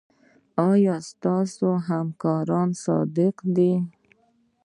ایا ستاسو همکاران صادق دي؟